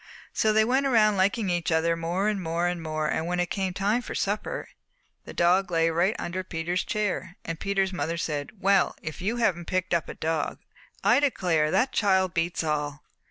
"So they went around liking each other more and more, and when it came time for supper the dog lay right under Peter's chair, and Peter's mother said, 'Well, if you haven't picked up a dog! I declare that child beats all!'